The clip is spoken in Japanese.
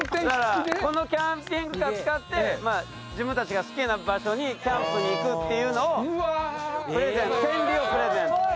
だからこのキャンピングカー使って自分たちが好きな場所にキャンプに行くっていうのを権利をプレゼント